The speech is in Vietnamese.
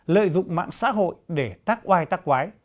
lợi dụng mạng xã hội để tác oai tác quái